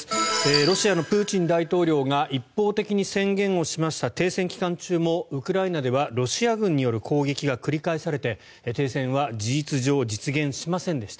ロシアのプーチン大統領が一方的に宣言をしました停戦期間中もウクライナではロシア軍による攻撃が繰り返されて繰り返されて、停戦は事実上実現しませんでした。